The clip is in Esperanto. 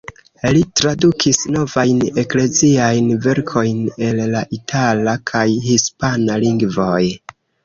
Li tradukis novajn ekleziajn verkojn el la itala kaj hispana lingvoj.